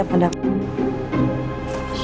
ya udah aku mau tidur